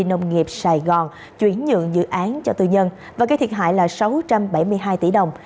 nông nghiệp sài gòn chuyển nhượng dự án cho tư nhân và gây thiệt hại là sáu trăm bảy mươi hai tỷ đồng